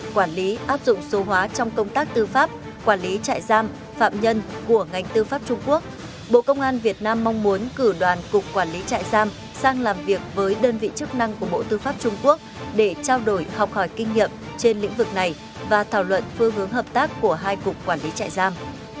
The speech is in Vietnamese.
các bộ ngành địa phương đang làm việc với đơn vị chức năng của bộ tư pháp trung quốc để trao đổi học hỏi kinh nghiệm trên lĩnh vực này và thảo luận phương hướng hợp tác của hai cục quản lý trại giam